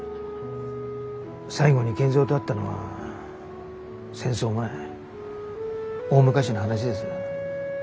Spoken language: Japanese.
最後に賢三と会ったのは戦争前大昔の話です。